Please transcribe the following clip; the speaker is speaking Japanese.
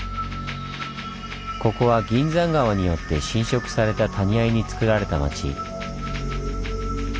ここは銀山川によって浸食された谷あいにつくられた町。